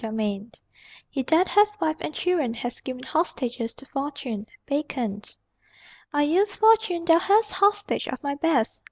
HOSTAGES "He that hath wife and children hath given hostages to fortune." BACON. Aye, Fortune, thou hast hostage of my best!